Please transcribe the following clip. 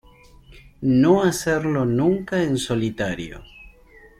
No hacerlo nunca en solitario.